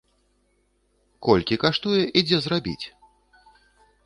Колькі каштуе і дзе зрабіць?